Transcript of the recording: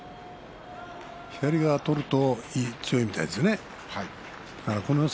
左を取ると強いみたいですね。